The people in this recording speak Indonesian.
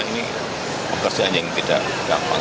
ini pekerjaan yang tidak gampang